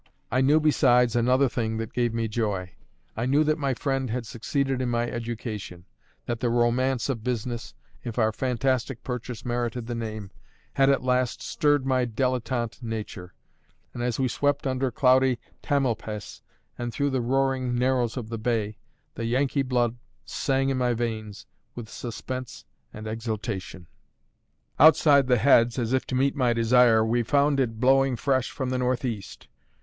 I knew besides another thing that gave me joy. I knew that my friend had succeeded in my education; that the romance of business, if our fantastic purchase merited the name, had at last stirred my dilletante nature; and, as we swept under cloudy Tamalpais and through the roaring narrows of the bay, the Yankee blood sang in my veins with suspense and exultation. Outside the heads, as if to meet my desire, we found it blowing fresh from the northeast.